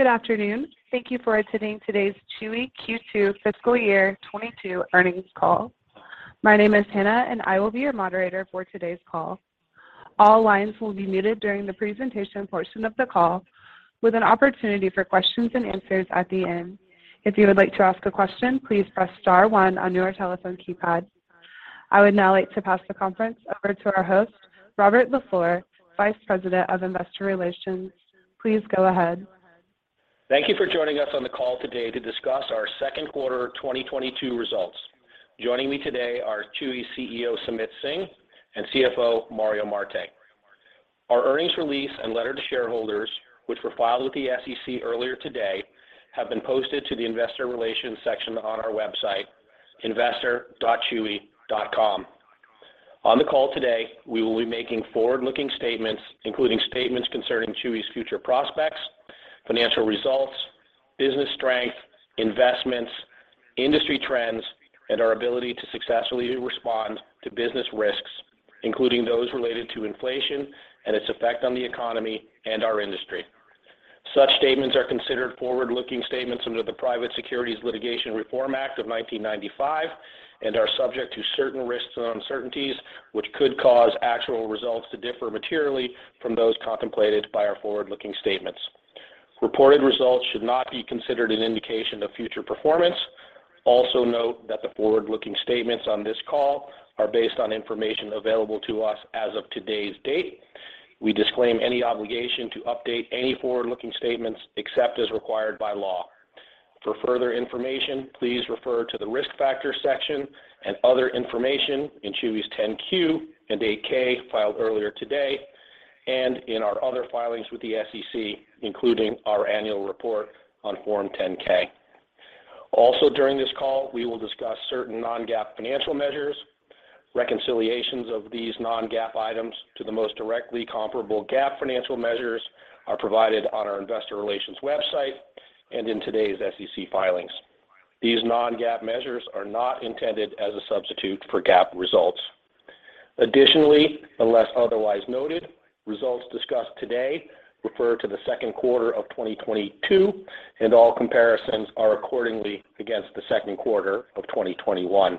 Good afternoon. Thank you for attending today's Chewy Q2 fiscal year 2022 earnings call. My name is Hannah, and I will be your moderator for today's call. All lines will be muted during the presentation portion of the call, with an opportunity for questions and answers at the end. If you would like to ask a question, please press star one on your telephone keypad. I would now like to pass the conference over to our host, Robert LaFleur, Vice President of Investor Relations. Please go ahead. Thank you for joining us on the call today to discuss our second quarter 2022 results. Joining me today are Chewy CEO, Sumit Singh, and CFO, Mario Marte. Our earnings release and letter to shareholders, which were filed with the SEC earlier today, have been posted to the investor relations section on our website, investor.chewy.com. On the call today, we will be making forward-looking statements, including statements concerning Chewy's future prospects, financial results, business strength, investments, industry trends, and our ability to successfully respond to business risks, including those related to inflation and its effect on the economy and our industry. Such statements are considered forward-looking statements under the Private Securities Litigation Reform Act of 1995 and are subject to certain risks and uncertainties, which could cause actual results to differ materially from those contemplated by our forward-looking statements. Reported results should not be considered an indication of future performance. Also note that the forward-looking statements on this call are based on information available to us as of today's date. We disclaim any obligation to update any forward-looking statements except as required by law. For further information, please refer to the Risk Factors section and other information in Chewy's 10-Q and 8-K filed earlier today, and in our other filings with the SEC, including our annual report on Form 10-K. Also during this call, we will discuss certain non-GAAP financial measures. Reconciliations of these non-GAAP items to the most directly comparable GAAP financial measures are provided on our investor relations website and in today's SEC filings. These non-GAAP measures are not intended as a substitute for GAAP results. Additionally, unless otherwise noted, results discussed today refer to the second quarter of 2022, and all comparisons are accordingly against the second quarter of 2021.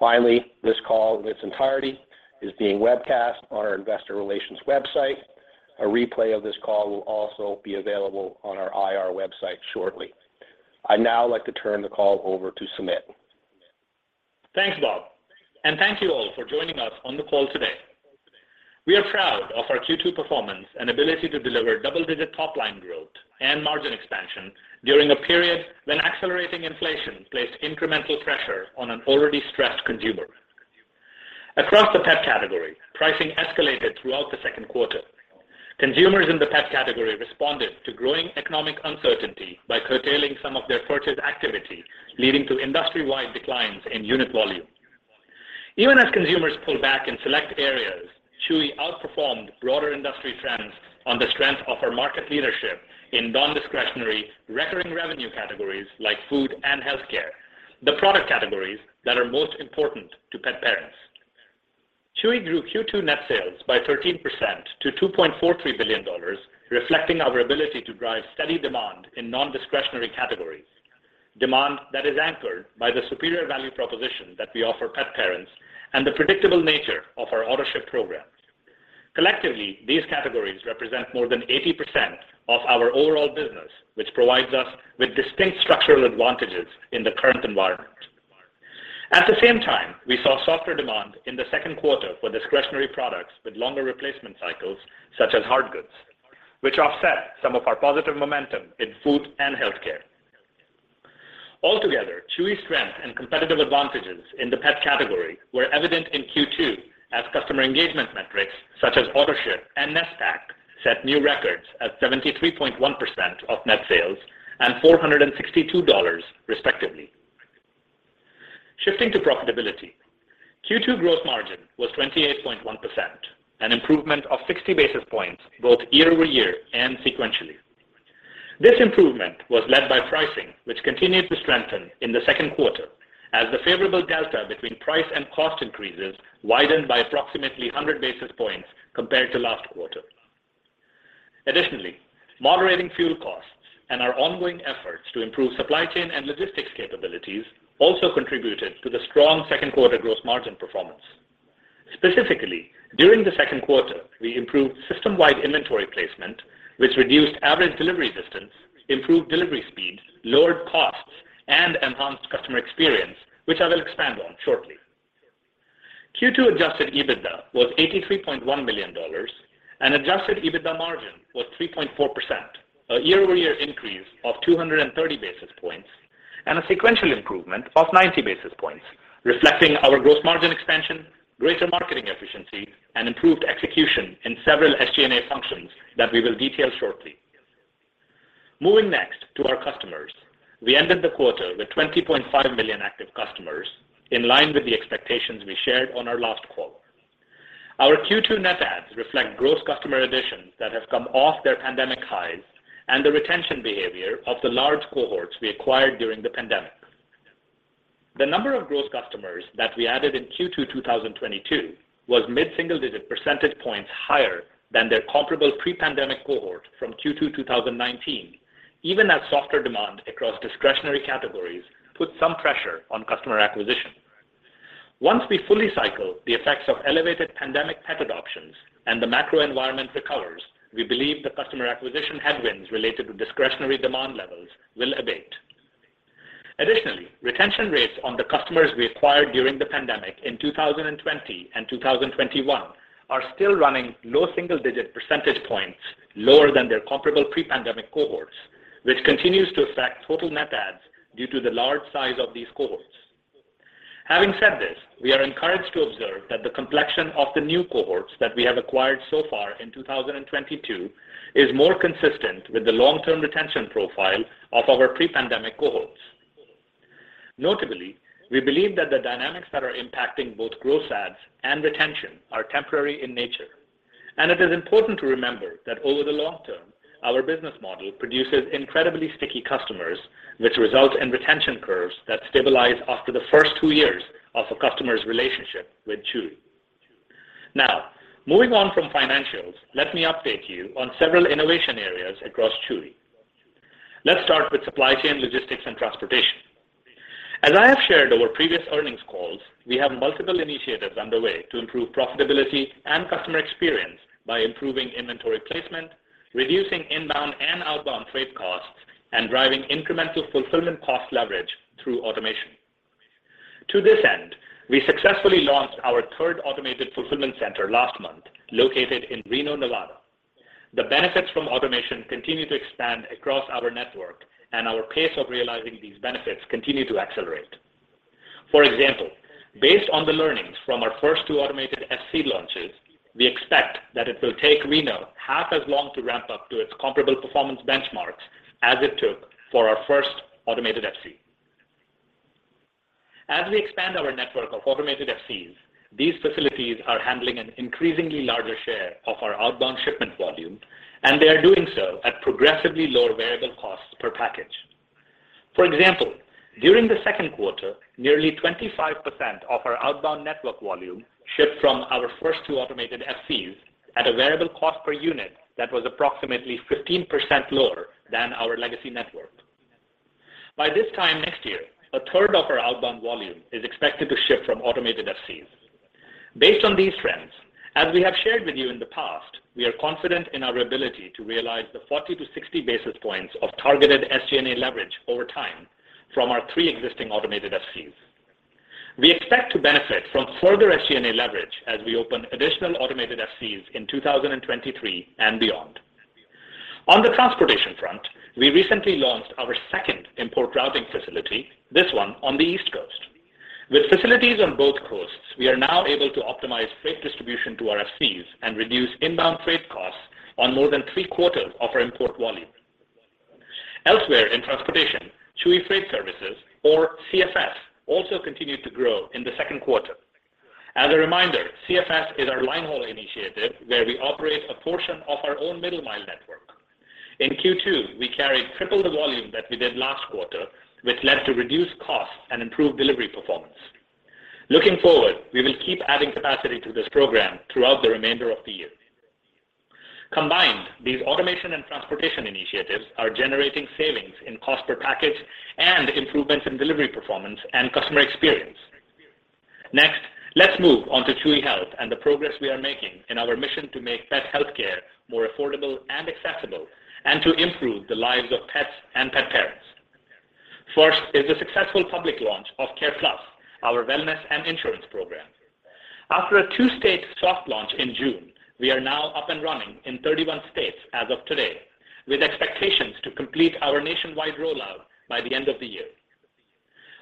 Finally, this call in its entirety is being webcast on our investor relations website. A replay of this call will also be available on our IR website shortly. I'd now like to turn the call over to Sumit. Thanks, Bob. Thank you all for joining us on the call today. We are proud of our Q2 performance and ability to deliver double-digit top-line growth and margin expansion during a period when accelerating inflation placed incremental pressure on an already stressed consumer. Across the pet category, pricing escalated throughout the second quarter. Consumers in the pet category responded to growing economic uncertainty by curtailing some of their purchase activity, leading to industry-wide declines in unit volume. Even as consumers pulled back in select areas, Chewy outperformed broader industry trends on the strength of our market leadership in non-discretionary, recurring revenue categories like food and healthcare, the product categories that are most important to pet parents. Chewy grew Q2 net sales by 13% to $2.43 billion, reflecting our ability to drive steady demand in non-discretionary categories, demand that is anchored by the superior value proposition that we offer pet parents and the predictable nature of our Autoship programs. Collectively, these categories represent more than 80% of our overall business, which provides us with distinct structural advantages in the current environment. At the same time, we saw softer demand in the second quarter for discretionary products with longer replacement cycles, such as hard goods, which offset some of our positive momentum in food and healthcare. Altogether, Chewy's strength and competitive advantages in the pet category were evident in Q2 as customer engagement metrics such as Autoship and NSPAC set new records at 73.1% of net sales and $462, respectively. Shifting to profitability. Q2 gross margin was 28.1%, an improvement of 60 basis points both year-over-year and sequentially. This improvement was led by pricing, which continued to strengthen in the second quarter as the favorable delta between price and cost increases widened by approximately 100 basis points compared to last quarter. Additionally, moderating fuel costs and our ongoing efforts to improve supply chain and logistics capabilities also contributed to the strong second quarter gross margin performance. Specifically, during the second quarter, we improved system-wide inventory placement, which reduced average delivery distance, improved delivery speed, lowered costs, and enhanced customer experience, which I will expand on shortly. Q2 Adjusted EBITDA was $83.1 million, and Adjusted EBITDA margin was 3.4%, a year-over-year increase of 230 basis points and a sequential improvement of 90 basis points, reflecting our gross margin expansion, greater marketing efficiency, and improved execution in several SG&A functions that we will detail shortly. Moving next to our customers. We ended the quarter with 20.5 million active customers, in line with the expectations we shared on our last call. Our Q2 net adds reflect growth customer additions that have come off their pandemic highs and the retention behavior of the large cohorts we acquired during the pandemic. The number of gross customers that we added in Q2 2022 was mid-single-digit percentage points higher than their comparable pre-pandemic cohort from Q2 2019, even as softer demand across discretionary categories put some pressure on customer acquisition. Once we fully cycle the effects of elevated pandemic pet adoptions and the macro environment recovers, we believe the customer acquisition headwinds related to discretionary demand levels will abate. Additionally, retention rates on the customers we acquired during the pandemic in 2020 and 2021 are still running low single-digit percentage points lower than their comparable pre-pandemic cohorts, which continues to affect total net adds due to the large size of these cohorts. Having said this, we are encouraged to observe that the complexion of the new cohorts that we have acquired so far in 2022 is more consistent with the long-term retention profile of our pre-pandemic cohorts. Notably, we believe that the dynamics that are impacting both gross adds and retention are temporary in nature. It is important to remember that over the long term, our business model produces incredibly sticky customers, which result in retention curves that stabilize after the first two years of a customer's relationship with Chewy. Now, moving on from financials, let me update you on several innovation areas across Chewy. Let's start with supply chain logistics and transportation. As I have shared over previous earnings calls, we have multiple initiatives underway to improve profitability and customer experience by improving inventory placement, reducing inbound and outbound freight costs, and driving incremental fulfillment cost leverage through automation. To this end, we successfully launched our third automated fulfillment center last month located in Reno, Nevada. The benefits from automation continue to expand across our network, and our pace of realizing these benefits continue to accelerate. For example, based on the learnings from our first two automated FC launches, we expect that it will take Reno half as long to ramp up to its comparable performance benchmarks as it took for our first automated FC. As we expand our network of automated FCs, these facilities are handling an increasingly larger share of our outbound shipment volume, and they are doing so at progressively lower variable costs per package. For example, during the second quarter, nearly 25% of our outbound network volume shipped from our first two automated FCs at a variable cost per unit that was approximately 15% lower than our legacy network. By this time next year, a third of our outbound volume is expected to ship from automated FCs. Based on these trends, as we have shared with you in the past, we are confident in our ability to realize the 40-60 basis points of targeted SG&A leverage over time from our three existing automated FCs. We expect to benefit from further SG&A leverage as we open additional automated FCs in 2023 and beyond. On the transportation front, we recently launched our second import routing facility, this one on the East Coast. With facilities on both coasts, we are now able to optimize freight distribution to our FCs and reduce inbound freight costs on more than three-quarters of our import volume. Elsewhere in transportation, Chewy Freight Services, or CFS, also continued to grow in the second quarter. As a reminder, CFS is our linehaul initiative where we operate a portion of our own middle mile network. In Q2, we carried triple the volume that we did last quarter, which led to reduced costs and improved delivery performance. Looking forward, we will keep adding capacity to this program throughout the remainder of the year. Combined, these automation and transportation initiatives are generating savings in cost per package and improvements in delivery performance and customer experience. Next, let's move on to Chewy Health and the progress we are making in our mission to make pet healthcare more affordable and accessible, and to improve the lives of pets and pet parents. First is the successful public launch of CarePlus, our wellness and insurance program. After a two-state soft launch in June, we are now up and running in 31 states as of today, with expectations to complete our nationwide rollout by the end of the year.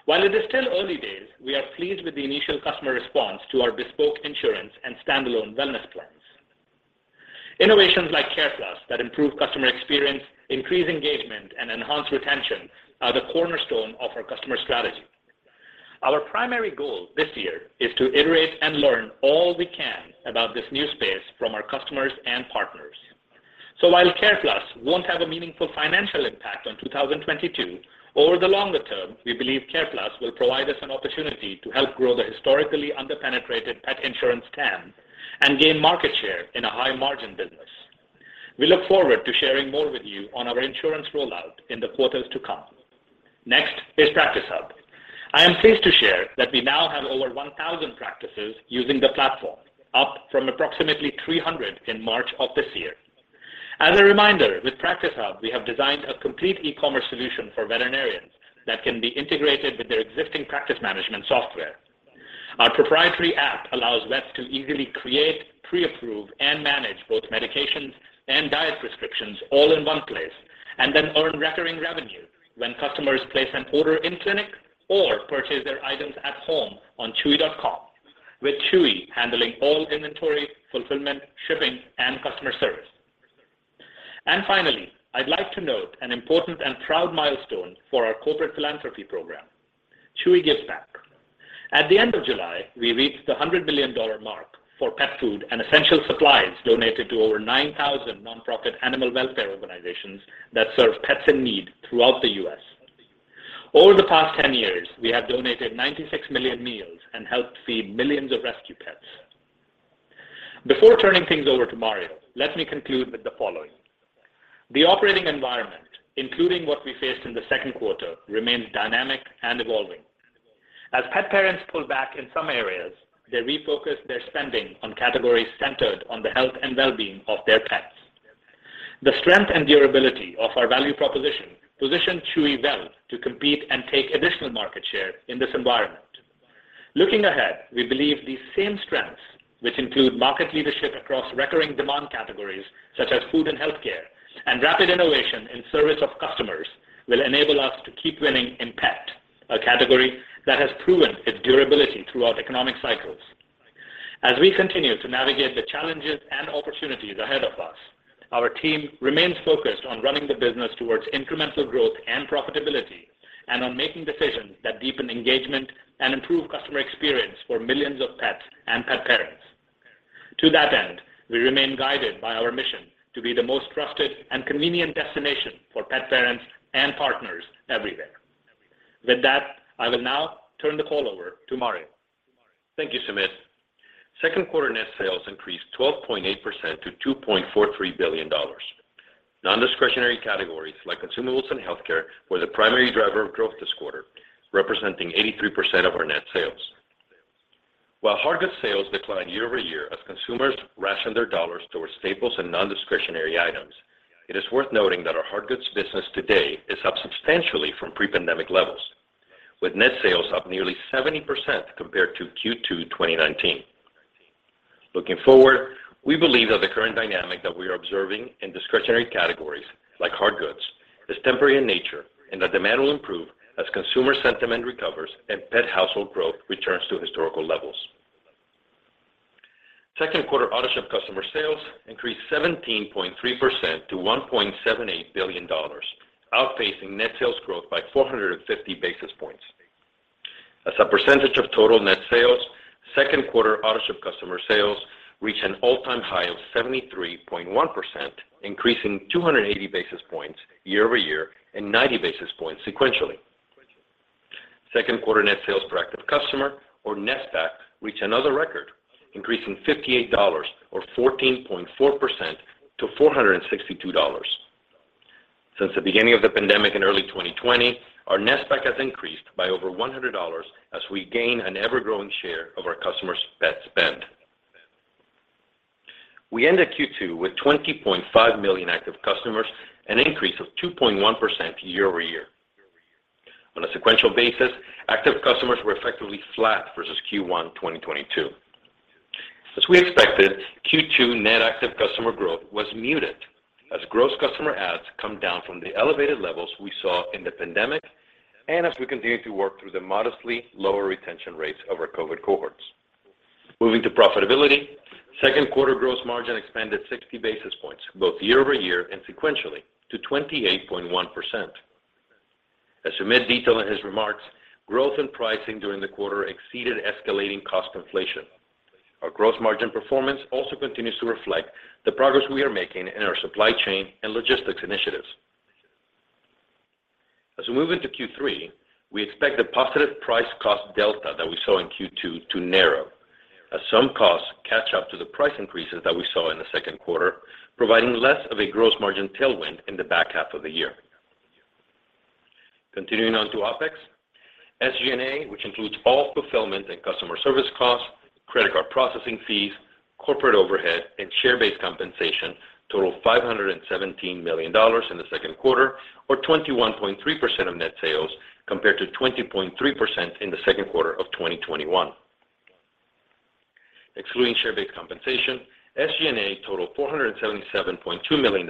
While it is still early days, we are pleased with the initial customer response to our bespoke insurance and stand-alone wellness plans. Innovations like CarePlus that improve customer experience, increase engagement, and enhance retention are the cornerstone of our customer strategy. Our primary goal this year is to iterate and learn all we can about this new space from our customers and partners. While CarePlus won't have a meaningful financial impact on 2022, over the longer term, we believe CarePlus will provide us an opportunity to help grow the historically under-penetrated pet insurance TAM and gain market share in a high-margin business. We look forward to sharing more with you on our insurance rollout in the quarters to come. Next is Practice Hub. I am pleased to share that we now have over 1,000 practices using the platform, up from approximately 300 in March of this year. As a reminder, with Practice Hub, we have designed a complete e-commerce solution for veterinarians that can be integrated with their existing practice management software. Our proprietary app allows vets to easily create, pre-approve, and manage both medications and diet prescriptions all in one place, and then earn recurring revenue when customers place an order in-clinic or purchase their items at home on chewy.com, with Chewy handling all inventory, fulfillment, shipping, and customer service. Finally, I'd like to note an important and proud milestone for our corporate philanthropy program, Chewy Gives Back. At the end of July, we reached the $100 million mark for pet food and essential supplies donated to over 9,000 non-profit animal welfare organizations that serve pets in need throughout the U.S. Over the past 10 years, we have donated 96 million meals and helped feed millions of rescue pets. Before turning things over to Mario, let me conclude with the following. The operating environment, including what we faced in the second quarter, remains dynamic and evolving. As pet parents pull back in some areas, they refocus their spending on categories centered on the health and well-being of their pets. The strength and durability of our value proposition position Chewy well to compete and take additional market share in this environment. Looking ahead, we believe these same strengths, which include market leadership across recurring demand categories such as food and healthcare, and rapid innovation in service of customers, will enable us to keep winning in pet, a category that has proven its durability throughout economic cycles. As we continue to navigate the challenges and opportunities ahead of us, our team remains focused on running the business towards incremental growth and profitability and on making decisions that deepen engagement and improve customer experience for millions of pets and pet parents. To that end, we remain guided by our mission to be the most trusted and convenient destination for pet parents and partners everywhere. With that, I will now turn the call over to Mario. Thank you, Sumit. Second quarter net sales increased 12.8% to $2.43 billion. Nondiscretionary categories like consumables and healthcare were the primary driver of growth this quarter, representing 83% of our net sales. While hard goods sales declined year-over-year as consumers rationed their dollars towards staples and nondiscretionary items, it is worth noting that our hard goods business today is up substantially from pre-pandemic levels, with net sales up nearly 70% compared to Q2 2019. Looking forward, we believe that the current dynamic that we are observing in discretionary categories like hard goods is temporary in nature, and that demand will improve as consumer sentiment recovers and pet household growth returns to historical levels. Second quarter Autoship customer sales increased 17.3% to $1.78 billion, outpacing net sales growth by 450 basis points. As a percentage of total net sales, second quarter Autoship customer sales reached an all-time high of 73.1%, increasing 280 basis points year-over-year and 90 basis points sequentially. Second quarter net sales per active customer or NSPAC reached another record, increasing $58 or 14.4% to $462. Since the beginning of the pandemic in early 2020, our NSPAC has increased by over $100 as we gain an ever-growing share of our customers' pet spend. We ended Q2 with 20.5 million active customers, an increase of 2.1% year-over-year. On a sequential basis, active customers were effectively flat versus Q1 2022. As we expected, Q2 net active customer growth was muted as gross customer adds come down from the elevated levels we saw in the pandemic and as we continue to work through the modestly lower retention rates of our COVID cohorts. Moving to profitability, second quarter gross margin expanded 60 basis points, both year-over-year and sequentially to 28.1%. As Sumit detailed in his remarks, growth in pricing during the quarter exceeded escalating cost inflation. Our gross margin performance also continues to reflect the progress we are making in our supply chain and logistics initiatives. As we move into Q3, we expect the positive price cost delta that we saw in Q2 to narrow as some costs catch up to the price increases that we saw in the second quarter, providing less of a gross margin tailwind in the back half of the year. Continuing on to OpEx, SG&A, which includes all fulfillment and customer service costs, credit card processing fees, corporate overhead, and share-based compensation, totaled $517 million in the second quarter, or 21.3% of net sales, compared to 20.3% in the second quarter of 2021. Excluding share-based compensation, SG&A totaled $477.2 million,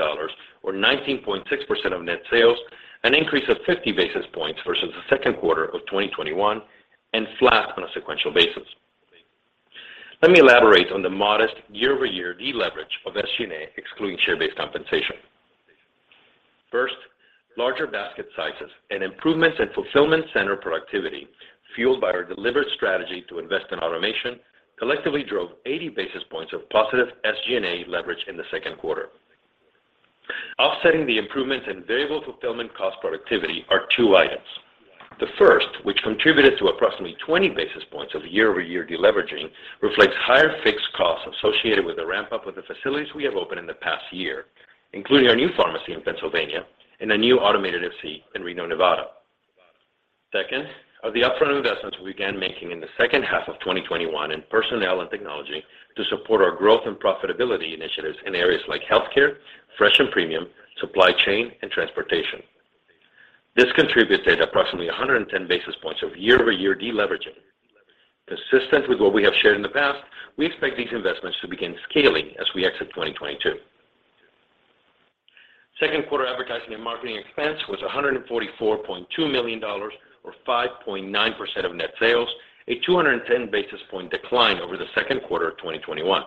or 19.6% of net sales, an increase of 50 basis points versus the second quarter of 2021 and flat on a sequential basis. Let me elaborate on the modest year-over-year deleverage of SG&A, excluding share-based compensation. First, larger basket sizes and improvements in fulfillment center productivity, fueled by our deliberate strategy to invest in automation, collectively drove 80 basis points of positive SG&A leverage in the second quarter. Offsetting the improvements in variable fulfillment cost productivity are two items. The first, which contributed to approximately 20 basis points of year-over-year deleveraging, reflects higher fixed costs associated with the ramp-up of the facilities we have opened in the past year, including our new pharmacy in Pennsylvania and a new automated FC in Reno, Nevada. Second are the upfront investments we began making in the second half of 2021 in personnel and technology to support our growth and profitability initiatives in areas like healthcare, fresh and premium, supply chain, and transportation. This contributed approximately 110 basis points of year-over-year deleveraging. Consistent with what we have shared in the past, we expect these investments to begin scaling as we exit 2022. Second quarter advertising and marketing expense was $144.2 million or 5.9% of net sales, a 210 basis point decline over the second quarter of 2021.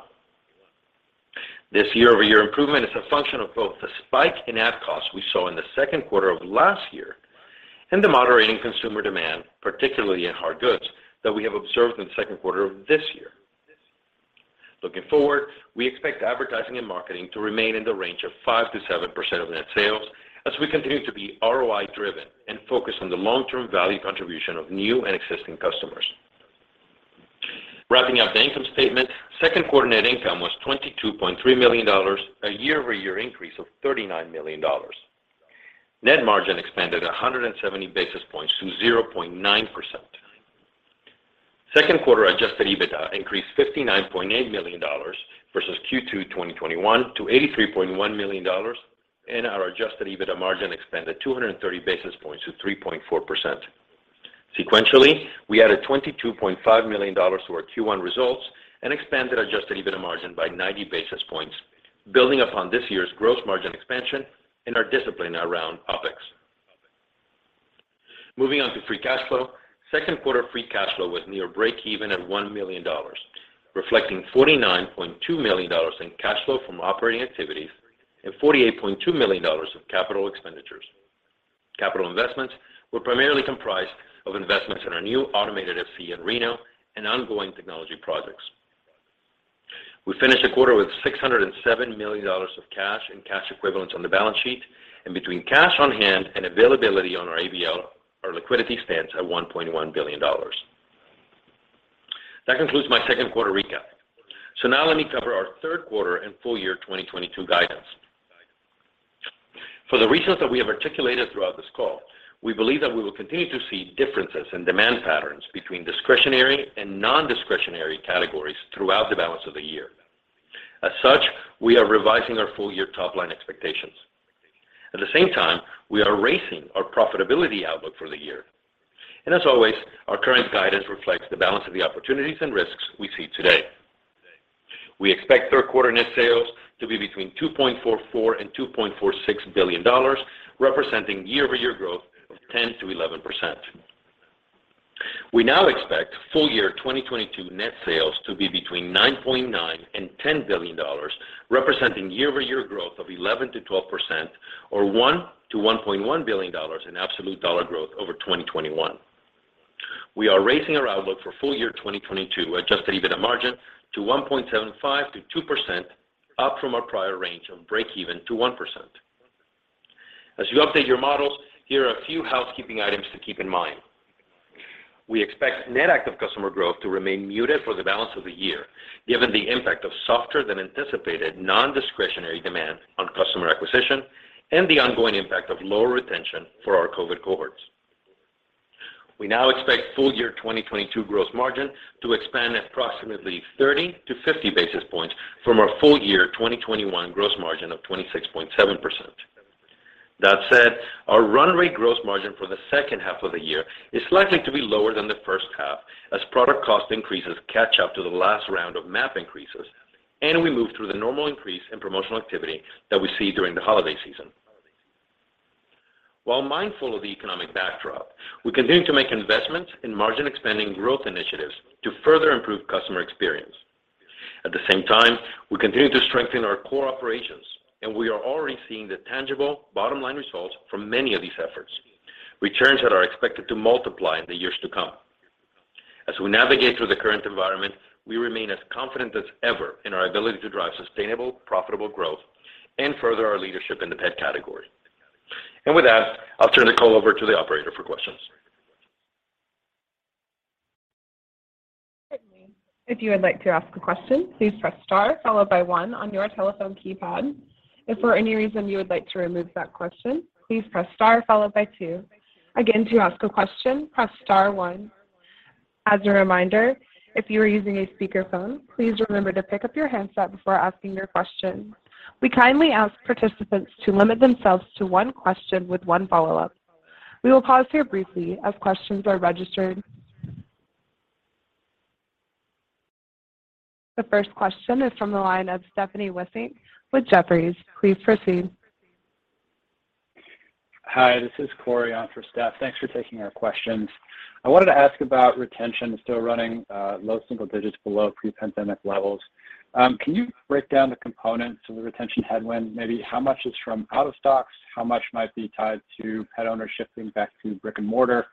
This year-over-year improvement is a function of both the spike in ad costs we saw in the second quarter of last year and the moderating consumer demand, particularly in hard goods, that we have observed in the second quarter of this year. Looking forward, we expect advertising and marketing to remain in the range of 5%-7% of net sales as we continue to be ROI-driven and focused on the long-term value contribution of new and existing customers. Wrapping up the income statement, second quarter net income was $22.3 million, a year-over-year increase of $39 million. Net margin expanded 170 basis points to 0.9%. Second quarter Adjusted EBITDA increased $59.8 million versus Q2 2021 to $83.1 million, and our A djusted EBITDA margin expanded 230 basis points to 3.4%. Sequentially, we added $22.5 million to our Q1 results and expanded Adjusted EBITDA margin by 90 basis points, building upon this year's gross margin expansion and our discipline around OpEx. Moving on to free cash flow. Second quarter free cash flow was near breakeven at $1 million, reflecting $49.2 million in cash flow from operating activities and $48.2 million of capital expenditures. Capital investments were primarily comprised of investments in our new automated FC in Reno and ongoing technology projects. We finished the quarter with $607 million of cash and cash equivalents on the balance sheet, and between cash on hand and availability on our ABL, our liquidity stands at $1.1 billion. That concludes my second quarter recap. Now let me cover our third quarter and full year 2022 guidance. For the reasons that we have articulated throughout this call, we believe that we will continue to see differences in demand patterns between discretionary and non-discretionary categories throughout the balance of the year. As such, we are revising our full-year top-line expectations. At the same time, we are raising our profitability outlook for the year. As always, our current guidance reflects the balance of the opportunities and risks we see today. We expect third quarter net sales to be between $2.44 billion-$2.46 billion, representing year-over-year growth of 10%-11%. We now expect full year 2022 net sales to be between $9.9 billion-$10 billion, representing year-over-year growth of 11%-12% or $1-1.1 billion in absolute dollar growth over 2021. We are raising our outlook for full year 2022 Adjusted EBITDA margin to 1.75%-2%, up from our prior range of breakeven to 1%. As you update your models, here are a few housekeeping items to keep in mind. We expect net active customer growth to remain muted for the balance of the year, given the impact of softer than anticipated non-discretionary demand on customer acquisition and the ongoing impact of lower retention for our COVID cohorts. We now expect full year 2022 gross margin to expand approximately 30-50 basis points from our full year 2021 gross margin of 26.7%. That said, our run rate gross margin for the second half of the year is likely to be lower than the first half as product cost increases catch up to the last round of MAP increases, and we move through the normal increase in promotional activity that we see during the holiday season. While mindful of the economic backdrop, we continue to make investments in margin expanding growth initiatives to further improve customer experience. At the same time, we continue to strengthen our core operations, and we are already seeing the tangible bottom-line results from many of these efforts, returns that are expected to multiply in the years to come. As we navigate through the current environment, we remain as confident as ever in our ability to drive sustainable, profitable growth and further our leadership in the pet category. With that, I'll turn the call over to the operator for questions. If you would like to ask a question, please press star followed by one on your telephone keypad. If for any reason you would like to remove that question, please press star followed by two. Again, to ask a question, press star one. As a reminder, if you are using a speakerphone, please remember to pick up your handset before asking your question. We kindly ask participants to limit themselves to one question with one follow-up. We will pause here briefly as questions are registered. The first question is from the line of Stephanie Wissink with Jefferies. Please proceed. Hi, this is Corey on for Steph. Thanks for taking our questions. I wanted to ask about retention still running low single digits below pre-pandemic levels. Can you break down the components of the retention headwind? Maybe how much is from out of stocks, how much might be tied to pet ownership being back to brick and mortar,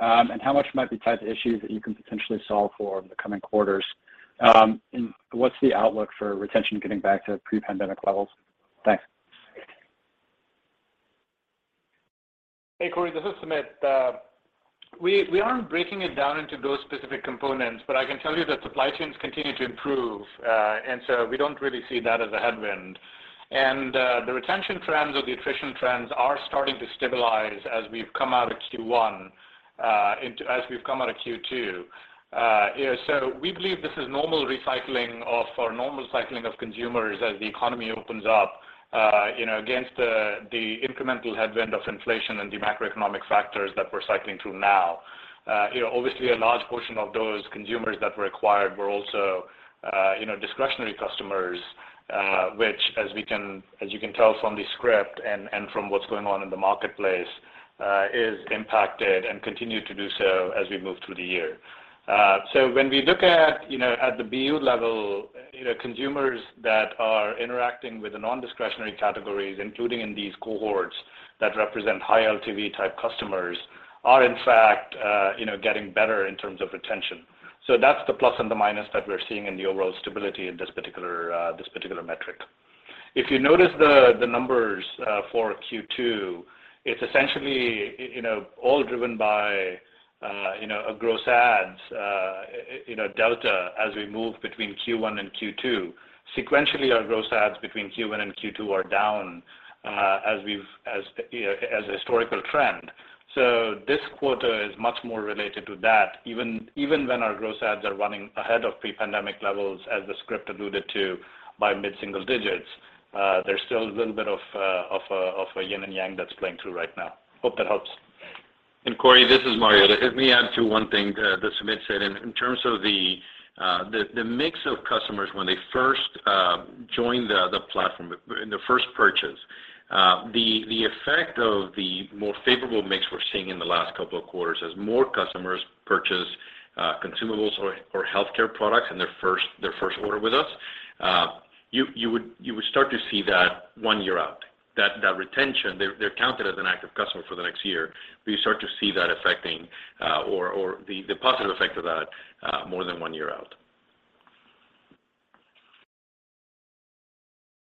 and how much might be tied to issues that you can potentially solve for in the coming quarters? What's the outlook for retention getting back to pre-pandemic levels? Thanks. Hey, Corey. This is Sumit. We aren't breaking it down into those specific components, but I can tell you that supply chains continue to improve, and so we don't really see that as a headwind. The retention trends or the attrition trends are starting to stabilize as we've come out of Q1, as we've come out of Q2. You know, we believe this is normal recycling or normal cycling of consumers as the economy opens up, you know, against the incremental headwind of inflation and the macroeconomic factors that we're cycling through now. You know, obviously, a large portion of those consumers that were acquired were also, you know, discretionary customers, which as you can tell from the script and from what's going on in the marketplace, is impacted and continue to do so as we move through the year. When we look at you know at the BU level, you know, consumers that are interacting with the non-discretionary categories, including in these cohorts that represent high LTV type customers are in fact you know getting better in terms of retention. That's the plus and the minus that we're seeing in the overall stability in this particular metric. If you notice the numbers for Q2, it's essentially you know all driven by you know a gross adds you know delta as we move between Q1 and Q2. Sequentially, our gross adds between Q1 and Q2 are down as you know as a historical trend. This quarter is much more related to that. Even when our gross adds are running ahead of pre-pandemic levels as the script alluded to by mid-single digits, there's still a little bit of a yin and yang that's playing through right now. Hope that helps. Corey, this is Mario. Let me add to one thing that Sumit said. In terms of the mix of customers when they first join the platform in the first purchase, the effect of the more favorable mix we're seeing in the last couple of quarters as more customers purchase consumables or healthcare products in their first order with us, you would start to see that one year out. That retention, they're counted as an active customer for the next year. We start to see that affecting or the positive effect of that more than one year out.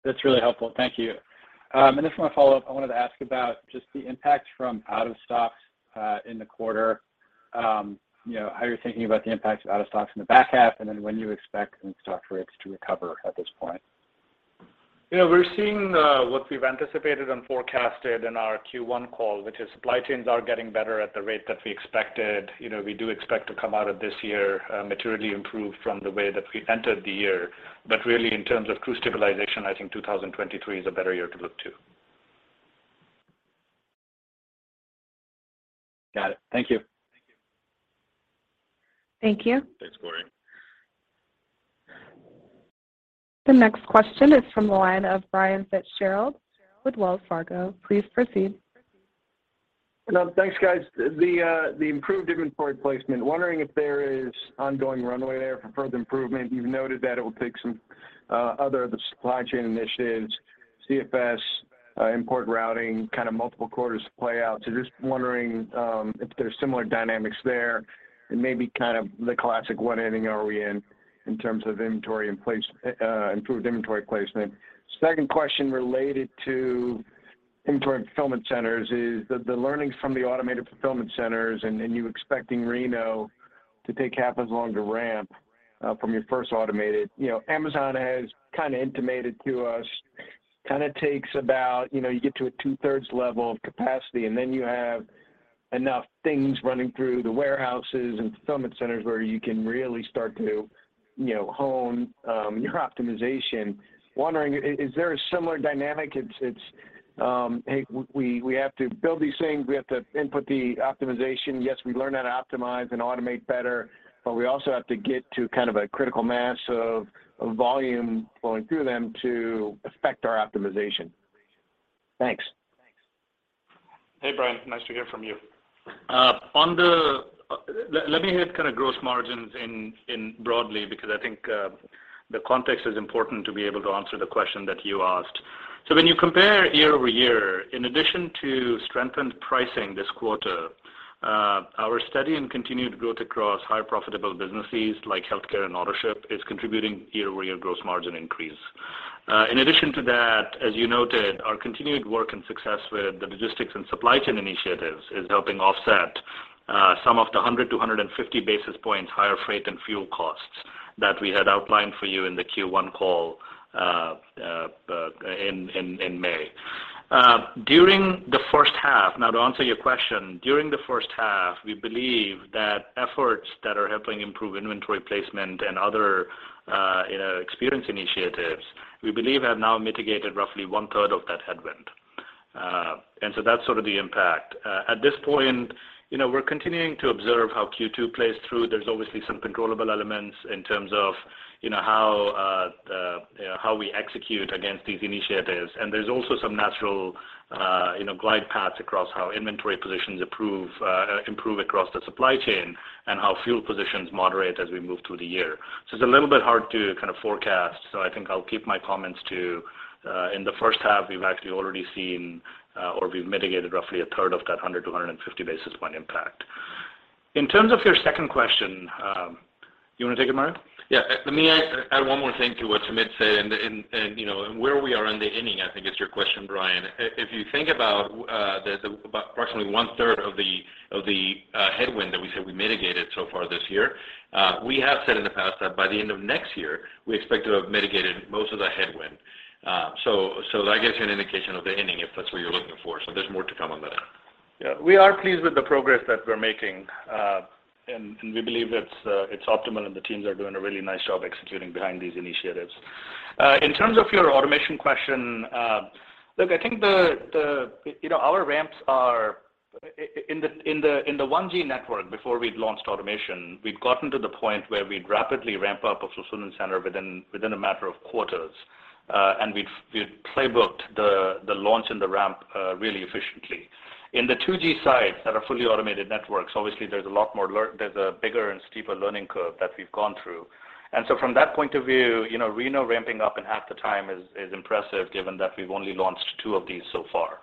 That's really helpful. Thank you. Just want to follow up. I wanted to ask about just the impact from out of stocks in the quarter. You know, how you're thinking about the impacts of out of stocks in the back half, and then when you expect in-stock rates to recover at this point. You know, we're seeing what we've anticipated and forecasted in our Q1 call, which is supply chains are getting better at the rate that we expected. You know, we do expect to come out of this year materially improved from the way that we entered the year. Really, in terms of crew stabilization, I think 2023 is a better year to look to. Got it. Thank you. Thank you. Thanks, Corey. The next question is from the line of Brian Fitzgerald with Wells Fargo. Please proceed. Hello. Thanks, guys. The improved inventory placement, wondering if there is ongoing runway there for further improvement. You've noted that it will take some other of the supply chain initiatives, CFS, import routing, kind of multiple quarters to play out. Just wondering if there's similar dynamics there and maybe kind of the classic what inning are we in in terms of inventory and improved inventory placement. Second question related to inventory fulfillment centers is the learnings from the automated fulfillment centers and you expecting Reno to take half as long to ramp from your first automated. You know, Amazon has kind of intimated to us, kind of talks about, you know, you get to a two-thirds level of capacity, and then you have enough things running through the warehouses and fulfillment centers where you can really start to, you know, hone your optimization. Wondering, is there a similar dynamic? It's we have to build these things. We have to input the optimization. Yes, we learn how to optimize and automate better, but we also have to get to kind of a critical mass of volume flowing through them to affect our optimization. Thanks. Hey, Brian. Nice to hear from you. Let me hit kind of gross margins in broadly because I think the context is important to be able to answer the question that you asked. When you compare year-over-year, in addition to strengthened pricing this quarter, our steady and continued growth across high profitable businesses like healthcare and Autoship is contributing year-over-year gross margin increase. In addition to that, as you noted, our continued work and success with the logistics and supply chain initiatives is helping offset some of the 100-150 basis points higher freight and fuel costs that we had outlined for you in the Q1 call in May. To answer your question, during the first half, we believe that efforts that are helping improve inventory placement and other experience initiatives, we believe have now mitigated roughly one-third of that headwind. That's sort of the impact. At this point, you know, we're continuing to observe how Q2 plays through. There's obviously some controllable elements in terms of, you know, how we execute against these initiatives. There's also some natural, you know, glide paths across how inventory positions improve across the supply chain and how fuel positions moderate as we move through the year. It's a little bit hard to kind of forecast, so I think I'll keep my comments to in the first half. We've actually already seen or we've mitigated roughly a third of that 100-150 basis point impact. In terms of your second question, you wanna take it, Mario? Yeah. Let me add one more thing to what Sumit said. You know, where we are in the inning, I think is your question, Brian. If you think about the approximately one-third of the headwind that we said we mitigated so far this year, we have said in the past that by the end of next year, we expect to have mitigated most of the headwind. That gives you an indication of the inning, if that's what you're looking for. There's more to come on that. Yeah. We are pleased with the progress that we're making, and we believe it's optimal, and the teams are doing a really nice job executing behind these initiatives. In terms of your automation question, I think, you know, our ramps are in the 1G network. Before we'd launched automation, we'd gotten to the point where we'd rapidly ramp up a fulfillment center within a matter of quarters. We've playbooked the launch and the ramp really efficiently. In the 2G sites that are fully automated networks, obviously there's a bigger and steeper learning curve that we've gone through. From that point of view, you know, Reno ramping up in half the time is impressive given that we've only launched two of these so far.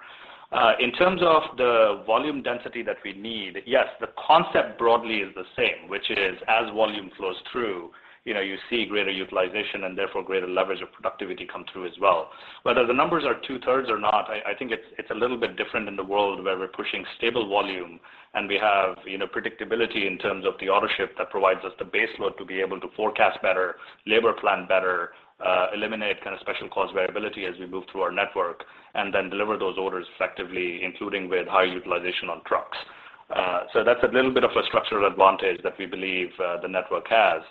In terms of the volume density that we need, yes, the concept broadly is the same, which is as volume flows through, you know, you see greater utilization and therefore greater leverage of productivity come through as well. Whether the numbers are two-thirds or not, I think it's a little bit different in the world where we're pushing stable volume and we have, you know, predictability in terms of the Autoship that provides us the base load to be able to forecast better, labor plan better, eliminate kind of special cause variability as we move through our network and then deliver those orders effectively, including with high utilization on trucks. That's a little bit of a structural advantage that we believe the network has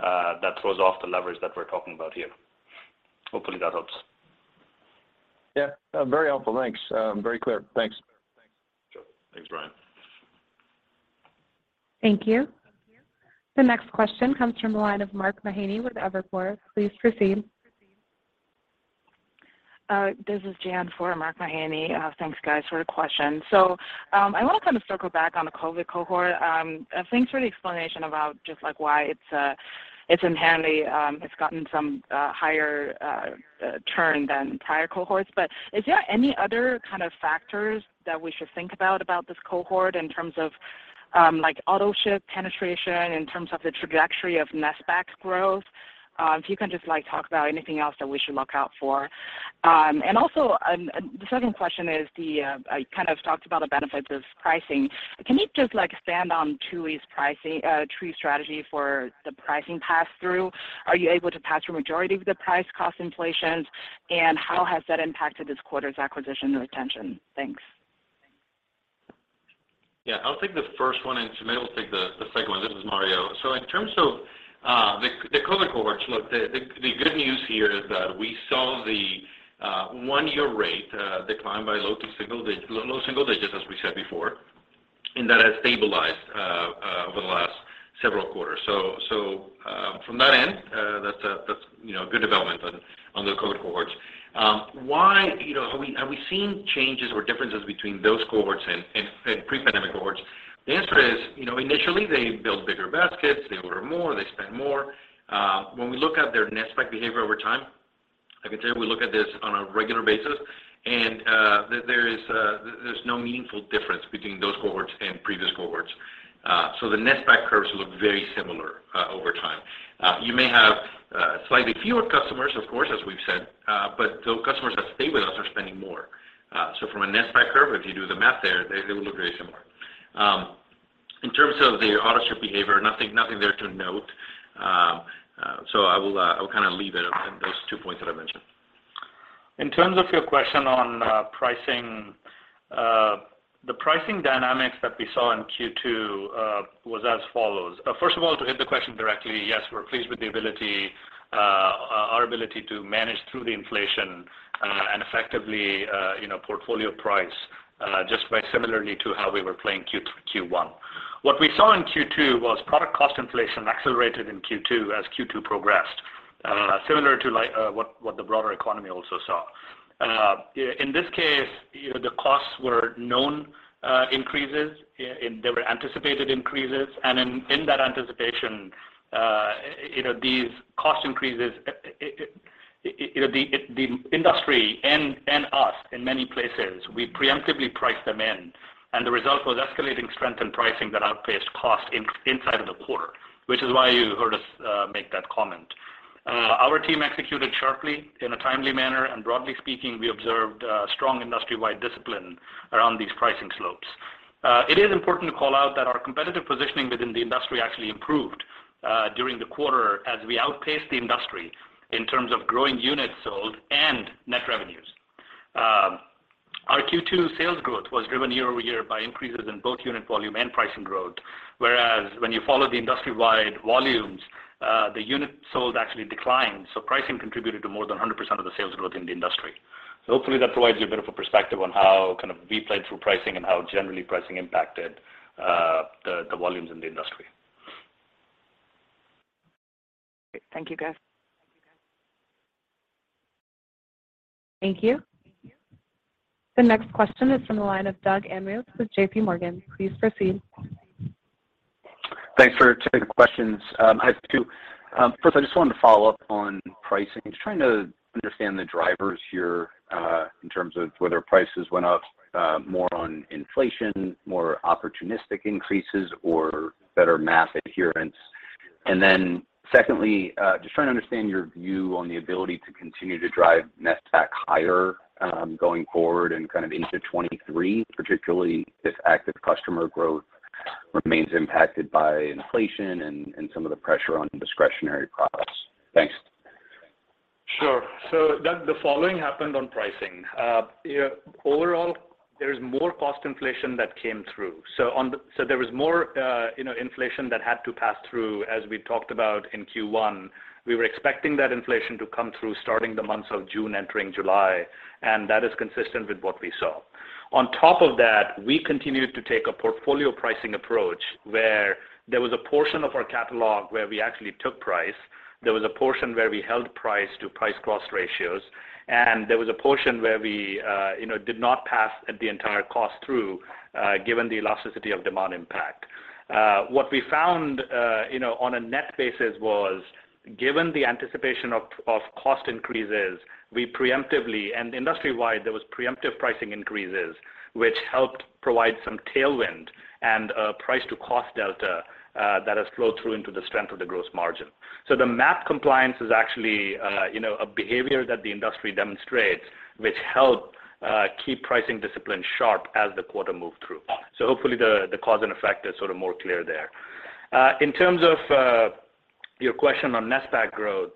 that throws off the leverage that we're talking about here. Hopefully that helps. Yeah, very helpful. Thanks. Very clear. Thanks. Sure. Thanks, Brian. Thank you. The next question comes from the line of Mark Mahaney with Evercore. Please proceed. This is Jen Hsu for Mark Mahaney. Thanks guys for the question. I wanna kind of circle back on the COVID cohort. Thanks for the explanation about just like why it's gotten some higher churn than prior cohorts. Is there any other kind of factors that we should think about about this cohort in terms of like Autoship penetration, in terms of the trajectory of net back growth? If you can just like talk about anything else that we should look out for. Also, the second question is I kind of talked about the benefits of pricing. Can you just like expand on Chewy's pricing, Chewy's strategy for the pricing pass-through? Are you able to pass through the majority of the price and cost inflations, and how has that impacted this quarter's acquisition and retention? Thanks. Yeah, I'll take the first one, and Sumit will take the second one. This is Mario. In terms of the COVID cohorts, look, the good news here is that we saw the one-year rate decline by low single digits, as we said before, and that has stabilized over the last several quarters. From that end, that's you know good development on the COVID cohorts. Why, you know, have we seen changes or differences between those cohorts and pre-pandemic cohorts? The answer is, you know, initially they build bigger baskets, they order more, they spend more. When we look at their NSPAC behavior over time, I can tell you we look at this on a regular basis, and there is no meaningful difference between those cohorts and previous cohorts. The NSPAC curves look very similar over time. You may have slightly fewer customers of course, as we've said, but the customers that stay with us are spending more. From a NSPAC curve, if you do the math there, they will look very similar. In terms of the Autoship behavior, nothing there to note. I will kind of leave it at those two points that I mentioned. In terms of your question on pricing, the pricing dynamics that we saw in Q2 was as follows. First of all, to hit the question directly, yes, we're pleased with the ability, our ability to manage through the inflation, and effectively, you know, portfolio price, just very similarly to how we were playing Q1. What we saw in Q2 was product cost inflation accelerated in Q2 as Q2 progressed, similar to like, what the broader economy also saw. In this case, you know, the costs were known increases, and they were anticipated increases. In that anticipation, you know, these cost increases, you know, the industry and us in many places, we preemptively priced them in, and the result was escalating strength in pricing that outpaced cost inside of the quarter, which is why you heard us make that comment. Our team executed sharply in a timely manner, and broadly speaking, we observed strong industry-wide discipline around these pricing slopes. It is important to call out that our competitive positioning within the industry actually improved during the quarter as we outpaced the industry in terms of growing units sold and net revenues. Our Q2 sales growth was driven year-over-year by increases in both unit volume and pricing growth. Whereas when you follow the industry-wide volumes, the units sold actually declined, so pricing contributed to more than 100% of the sales growth in the industry. Hopefully that provides you a bit of a perspective on how kind of we played through pricing and how generally pricing impacted the volumes in the industry. Great. Thank you guys. Thank you. The next question is from the line of Douglas Anmuth with J.P. Morgan. Please proceed. Thanks for taking the questions. Hi Stu. First I just wanted to follow up on pricing. Just trying to understand the drivers here, in terms of whether prices went up, more on inflation, more opportunistic increases or better mix adherence. Secondly, just trying to understand your view on the ability to continue to drive NSPAC higher, going forward and kind of into 2023, particularly if active customer growth remains impacted by inflation and some of the pressure on discretionary products. Thanks. Sure. Doug, the following happened on pricing. You know, overall there's more cost inflation that came through. There was more, you know, inflation that had to pass through, as we talked about in Q1. We were expecting that inflation to come through starting the months of June, entering July, and that is consistent with what we saw. On top of that, we continued to take a portfolio pricing approach where there was a portion of our catalog where we actually took price, there was a portion where we held price to price cross-ratios, and there was a portion where we, you know, did not pass the entire cost through, given the elasticity of demand impact. What we found, you know, on a net basis was, given the anticipation of cost increases, we preemptively and industry-wide, there was preemptive pricing increases, which helped provide some tailwind and a price to cost delta, that has flowed through into the strength of the gross margin. So the MAP compliance is actually, you know, a behavior that the industry demonstrates, which helped keep pricing discipline sharp as the quarter moved through. Hopefully the cause and effect is sort of more clear there. In terms of your question on net pack growth,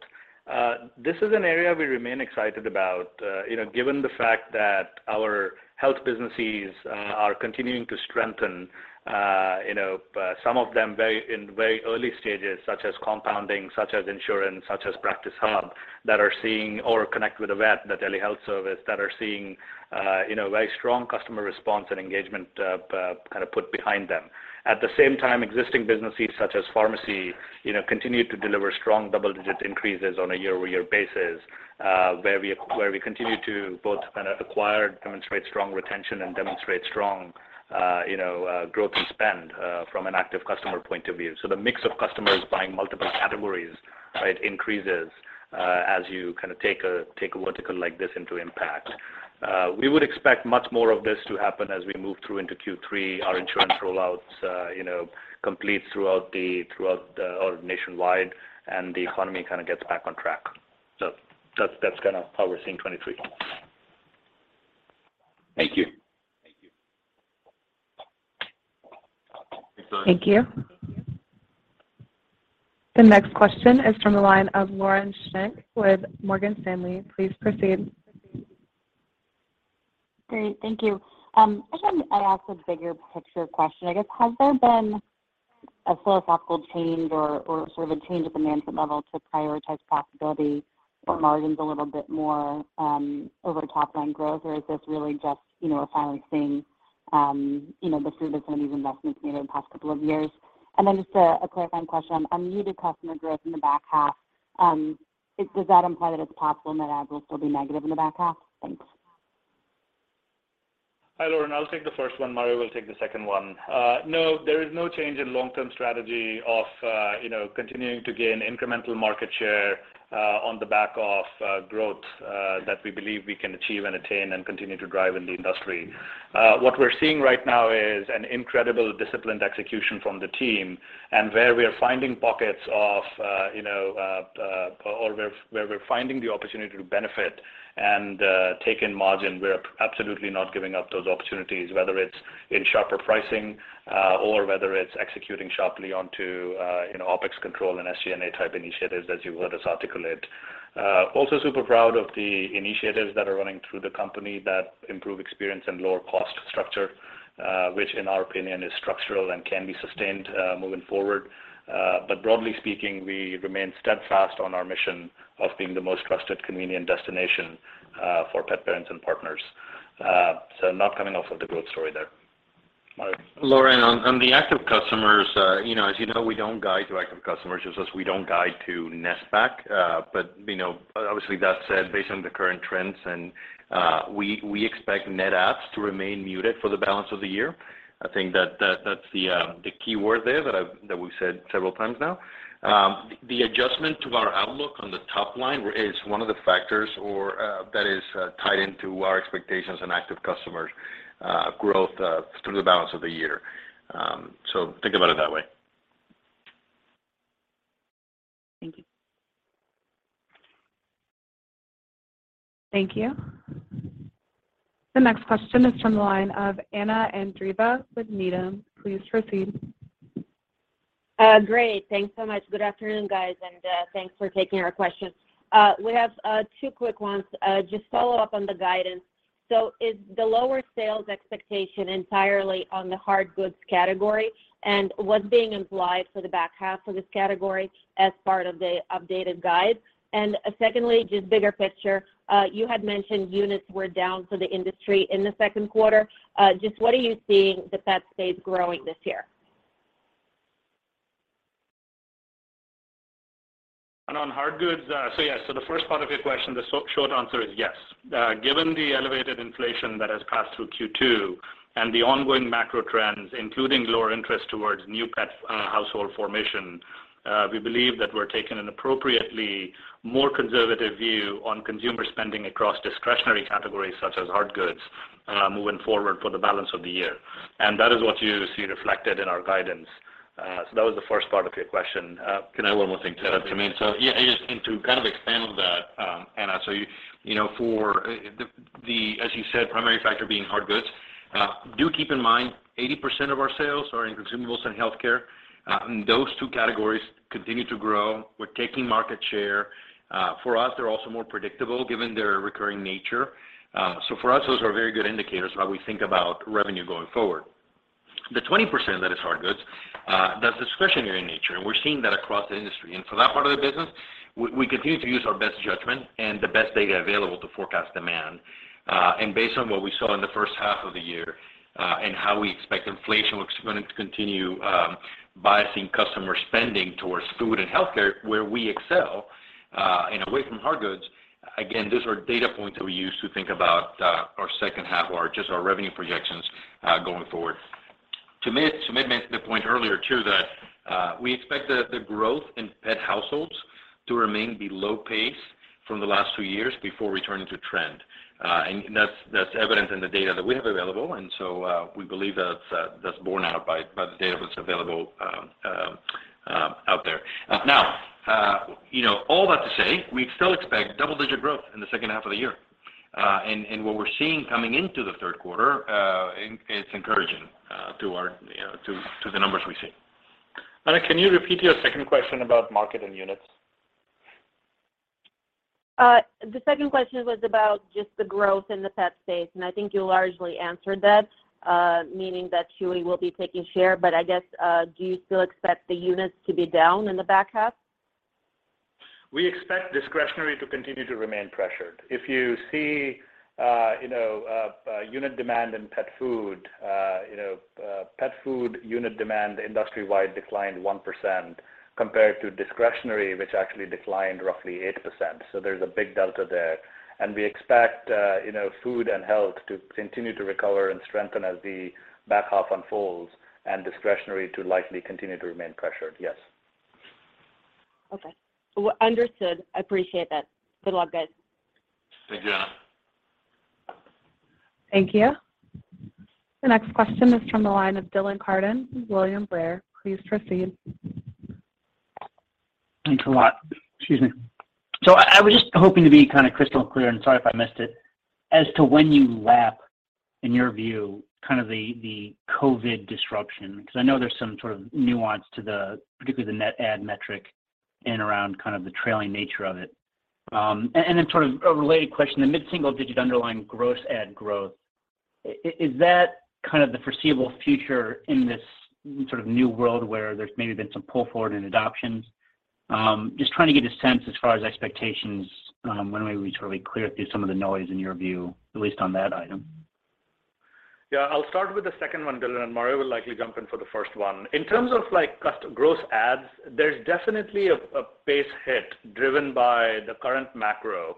this is an area we remain excited about. You know, given the fact that our health businesses are continuing to strengthen, you know, some of them in very early stages, such as compounding, such as insurance, such as Practice Hub or Connect with a Vet, the telehealth service that are seeing, you know, very strong customer response and engagement, kind of put behind them. At the same time, existing businesses such as pharmacy, you know, continue to deliver strong double-digit increases on a year-over-year basis, where we continue to both kinda acquire, demonstrate strong retention and demonstrate strong, you know, growth in spend, from an active customer point of view. So the mix of customers buying multiple categories, right, increases, as you kinda take a vertical like this into impact. We would expect much more of this to happen as we move through into Q3. Our insurance rollouts, you know, complete throughout the or nationwide, and the economy kinda gets back on track. So that's kinda how we're seeing 2023. Thank you. Thank you. The next question is from the line of Lauren Schenk with Morgan Stanley. Please proceed. Great. Thank you. I just wanted to ask a bigger picture question, I guess. Has there been a philosophical change or sort of a change at the management level to prioritize profitability or margins a little bit more over top-line growth? Or is this really just, you know, finally seeing, you know, the fruit of some of these investments made in the past couple of years? Just a clarifying question. On muted customer growth in the back half, does that imply that it's possible net adds will still be negative in the back half? Thanks. Hi, Lauren. I'll take the first one. Mario will take the second one. No, there is no change in long-term strategy of, you know, continuing to gain incremental market share, on the back of, growth, that we believe we can achieve and attain and continue to drive in the industry. What we're seeing right now is an incredibly disciplined execution from the team. Where we are finding pockets of, you know, or where we're finding the opportunity to benefit and take margin, we're absolutely not giving up those opportunities, whether it's in sharper pricing, or whether it's executing sharply onto, you know, OpEx control and SG&A type initiatives as you heard us articulate. Also super proud of the initiatives that are running through the company that improve experience and lower cost structure, which in our opinion is structural and can be sustained, moving forward. Broadly speaking, we remain steadfast on our mission of being the most trusted, convenient destination for pet parents and partners. Not coming off of the growth story there. Mario. Lauren, on the active customers, you know, as you know, we don't guide to active customers, just as we don't guide to NSPAC. You know, obviously that said, based on the current trends and we expect net adds to remain muted for the balance of the year. I think that's the key word there that we've said several times now. The adjustment to our outlook on the top line is one of the factors or that is tied into our expectations on active customers growth through the balance of the year. Think about it that way. Thank you. Thank you. The next question is from the line of Anna Andreeva with Needham. Please proceed. Great. Thanks so much. Good afternoon, guys. Thanks for taking our questions. We have two quick ones, just follow up on the guidance. Is the lower sales expectation entirely on the hard goods category? What's being implied for the back half of this category as part of the updated guide? Secondly, just bigger picture, you had mentioned units were down for the industry in the second quarter. Just what are you seeing the pet space growing this year? On hard goods, yes. The first part of your question, the short answer is yes. Given the elevated inflation that has passed through Q2 and the ongoing macro trends, including lower interest towards new pet household formation, we believe that we're taking an appropriately more conservative view on consumer spending across discretionary categories such as hard goods, moving forward for the balance of the year. That is what you see reflected in our guidance. That was the first part of your question. Can I add one more thing to that? To kind of expand on that, Anna. You know, for the, as you said, primary factor being hard goods, do keep in mind 80% of our sales are in consumables and healthcare, and those two categories continue to grow. We're taking market share. For us, they're also more predictable given their recurring nature, so for us, those are very good indicators when we think about revenue going forward. The 20% that is hard goods, that's discretionary in nature, and we're seeing that across the industry. For that part of the business, we continue to use our best judgment and the best data available to forecast demand. Based on what we saw in the first half of the year, and how we expect inflation, which is going to continue, biasing customer spending towards food and healthcare, where we excel, and away from hard goods, again, those are data points that we use to think about our second half or just our revenue projections going forward. To Sumit's point earlier, too, that we expect the growth in pet households to remain below pace from the last two years before returning to trend. That's evident in the data that we have available, and so we believe that's borne out by the data that's available out there. Now, you know, all that to say, we still expect double-digit growth in the second half of the year. What we're seeing coming into the third quarter, and it's encouraging, you know, to the numbers we see. Ana, can you repeat your second question about market and units? The second question was about just the growth in the pet space, and I think you largely answered that, meaning that Chewy will be taking share. I guess, do you still expect the units to be down in the back half? We expect discretionary to continue to remain pressured. If you see, you know, pet food unit demand industry-wide declined 1% compared to discretionary, which actually declined roughly 8%. There's a big delta there. We expect food and health to continue to recover and strengthen as the back half unfolds and discretionary to likely continue to remain pressured. Yes. Okay. Well, understood. I appreciate that. Good luck, guys. Thank you. Thank you. The next question is from the line of Dylan Carden, William Blair. Please proceed. Thanks a lot. Excuse me. I was just hoping to be kind of crystal clear, and sorry if I missed it, as to when you lap, in your view, kind of the COVID disruption. Because I know there's some sort of nuance to, particularly the net add metric and around kind of the trailing nature of it. Sort of a related question, the mid-single-digit underlying gross add growth, is that kind of the foreseeable future in this sort of new world where there's maybe been some pull forward in adoptions? Just trying to get a sense as far as expectations, when we reach really clear through some of the noise in your view, at least on that item. Yeah. I'll start with the second one, Dylan, and Mario will likely jump in for the first one. In terms of, like, gross adds, there's definitely a base hit driven by the current macro,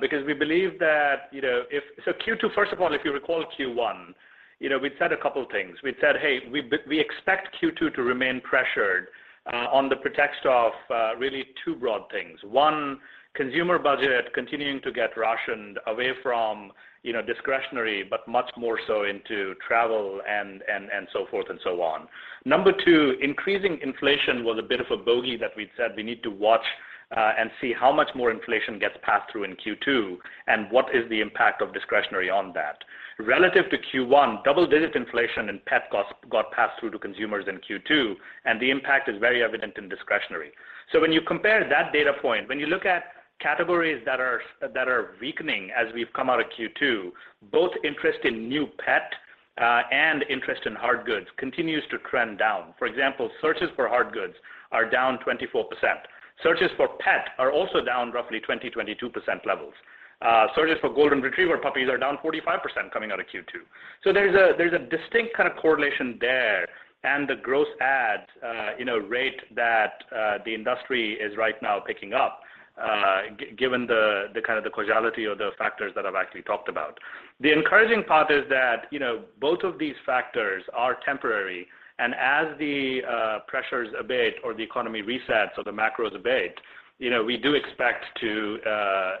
because we believe that, you know, Q2, first of all, if you recall Q1, you know, we'd said a couple of things. We'd said, "Hey, we expect Q2 to remain pressured," on the pretext of really two broad things. One, consumer budget continuing to get rationed away from, you know, discretionary, but much more so into travel and so forth and so on. Number two, increasing inflation was a bit of a bogey that we'd said we need to watch, and see how much more inflation gets passed through in Q2 and what is the impact of discretionary on that. Relative to Q1, double-digit inflation in pet costs got passed through to consumers in Q2, and the impact is very evident in discretionary. When you compare that data point, when you look at categories that are weakening as we've come out of Q2, both interest in new pet and interest in hard goods continues to trend down. For example, searches for hard goods are down 24%. Searches for pet are also down roughly 20-22% levels. Searches for golden retriever puppies are down 45% coming out of Q2. There's a distinct kind of correlation there and the growth adds in a rate that the industry is right now picking up, given the kind of the causality or the factors that I've actually talked about. The encouraging part is that, you know, both of these factors are temporary, and as the pressures abate or the economy resets or the macros abate, you know, we do expect that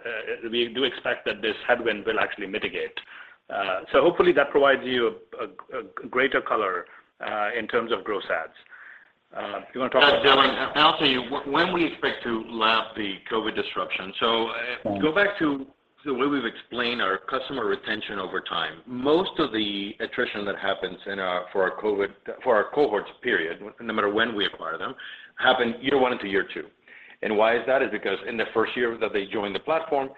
this headwind will actually mitigate. So hopefully, that provides you a greater color in terms of growth adds. Do you wanna talk about- Yeah, Dylan, I'll tell you when we expect to lap the COVID disruption. Go back to the way we've explained our customer retention over time. Most of the attrition that happens in our COVID cohorts period, no matter when we acquire them, happen year one into year two. Why is that? It's because in the first year that they join the platform,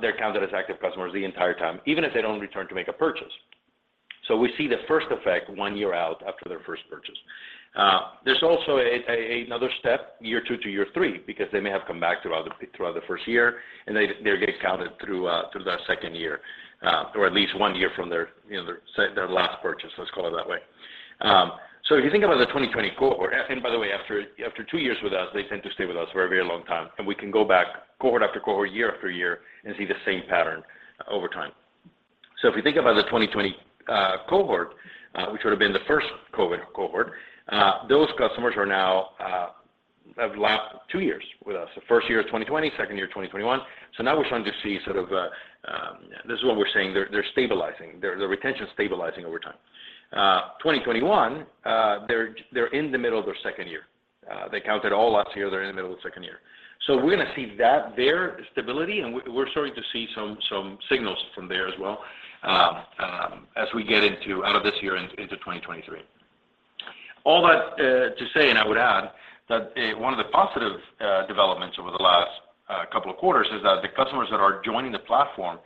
they're counted as active customers the entire time, even if they don't return to make a purchase. We see the first effect one year out after their first purchase. There's also another step year two to year three, because they may have come back throughout the first year, and they're getting counted through that second year, or at least one year from their, you know, their last purchase, let's call it that way. If you think about the 2020 cohort, and by the way, after two years with us, they tend to stay with us for a very long time. We can go back cohort after cohort, year after year and see the same pattern over time. If you think about the 2020 cohort, which would have been the first COVID cohort, those customers are now have lapped two years with us. The first year is 2020, second year, 2021. Now we're starting to see sort of. This is what we're saying, they're stabilizing. Their retention is stabilizing over time. 2021, they're in the middle of their second year. They counted all last year, they're in the middle of the second year. We're gonna see that there, stability, and we're starting to see some signals from there as well, as we get out of this year and into 2023. All that to say, I would add that one of the positive developments over the last couple of quarters is that the customers that are joining the platform,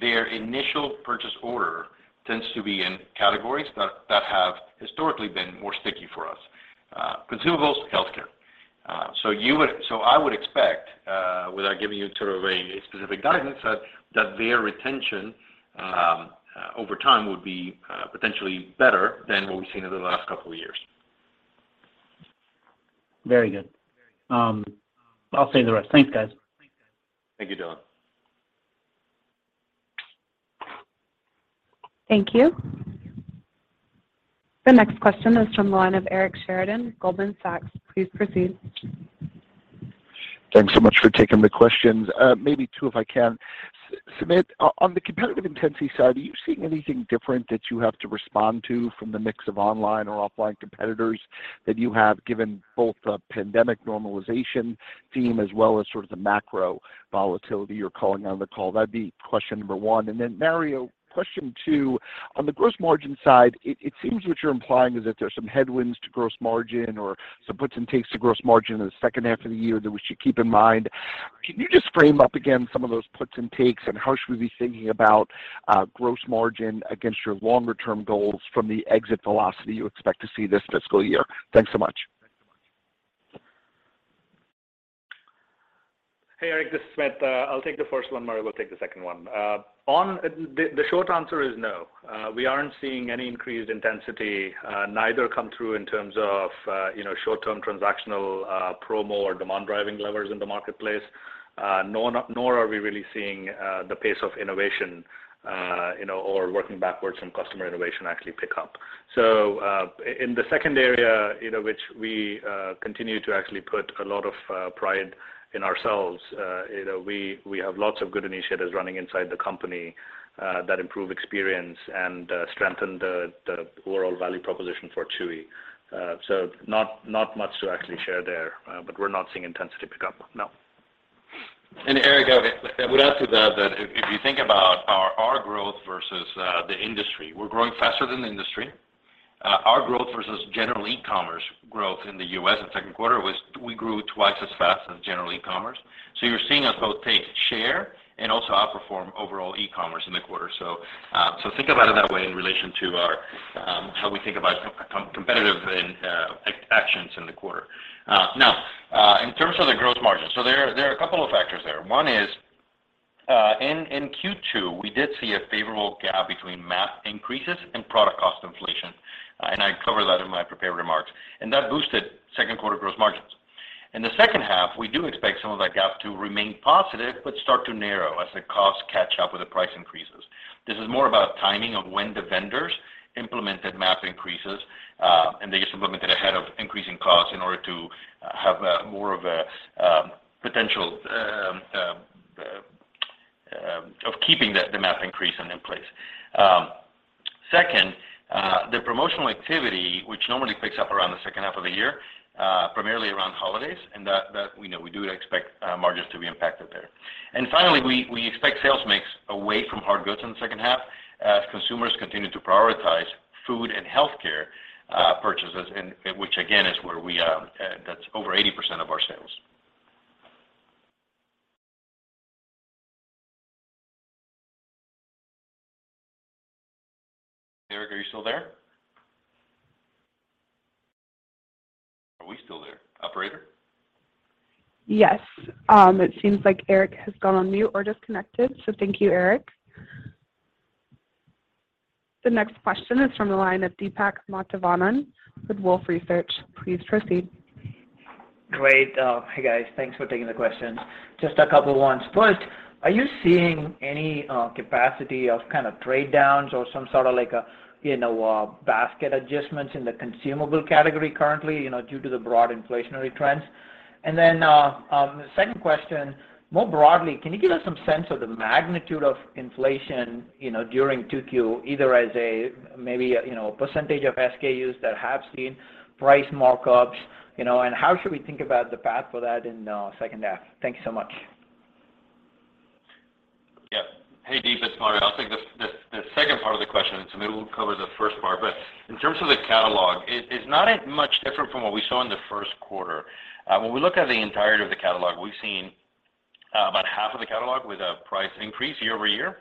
their initial purchase order tends to be in categories that have historically been more sticky for us. Consumables, healthcare. I would expect, without giving you sort of a specific guidance, that their retention over time would be potentially better than what we've seen over the last couple of years. Very good. I'll save the rest. Thanks, guys. Thank you, John. Thank you. The next question is from the line of Eric Sheridan, Goldman Sachs. Please proceed. Thanks so much for taking the questions. Maybe two if I can. Sumit, on the competitive intensity side, are you seeing anything different that you have to respond to from the mix of online or offline competitors that you have given both the pandemic normalization theme as well as sort of the macro volatility you're calling out on the call? That'd be question number one. And then Mario, question two. On the gross margin side, it seems what you're implying is that there's some headwinds to gross margin or some puts and takes to gross margin in the second half of the year that we should keep in mind. Can you just frame up again some of those puts and takes, and how should we be thinking about gross margin against your longer term goals from the exit velocity you expect to see this fiscal year? Thanks so much. Hey, Eric, this is Sumit. I'll take the first one. Mario will take the second one. The short answer is no. We aren't seeing any increased intensity, neither come through in terms of, you know, short-term transactional, promo or demand driving levers in the marketplace. Nor are we really seeing the pace of innovation, you know, or working backwards from customer innovation actually pick up. In the second area, you know, which we continue to actually put a lot of pride in ourselves, you know, we have lots of good initiatives running inside the company that improve experience and strengthen the overall value proposition for Chewy. Not much to actually share there, but we're not seeing intensity pick up, no. Eric, I would add to that if you think about our growth versus the industry, we're growing faster than the industry. Our growth versus general e-commerce growth in the US in second quarter was we grew twice as fast as general e-commerce. You're seeing us both take share and also outperform overall e-commerce in the quarter. Think about it that way in relation to our how we think about competitive actions in the quarter. In terms of the gross margin, there are a couple of factors there. One is, in Q2, we did see a favorable gap between MAP increases and product cost inflation, and I covered that in my prepared remarks, and that boosted second quarter gross margins. In the second half, we do expect some of that gap to remain positive, but start to narrow as the costs catch up with the price increases. This is more about timing of when the vendors implemented MAP increases, and they just implemented ahead of increasing costs in order to have more of a potential of keeping the MAP increase in place. Second, the promotional activity, which normally picks up around the second half of the year, primarily around holidays, and that we know we do expect margins to be impacted there. Finally, we expect sales mix away from hard goods in the second half as consumers continue to prioritize food and healthcare purchases, which again is where we, that's over 80% of our sales. Eric, are you still there? Are we still there? Operator? Yes. It seems like Eric has gone on mute or disconnected. Thank you, Eric. The next question is from the line of Deepak Mathivanan with Wolfe Research. Please proceed. Great. Hey, guys. Thanks for taking the questions. Just a couple ones. First, are you seeing any capacity of kind of trade downs or some sort of like you know basket adjustments in the consumable category currently, you know, due to the broad inflationary trends? Second question, more broadly, can you give us some sense of the magnitude of inflation, you know, during 2Q, either as a maybe you know percentage of SKUs that have seen price markups, you know, and how should we think about the path for that in second half? Thank you so much. Yeah. Hey, Deep, it's Mario. I'll take the second part of the question, and Sumit will cover the first part. In terms of the catalog, it's not much different from what we saw in the first quarter. When we look at the entirety of the catalog, we've seen about half of the catalog with a price increase year-over-year,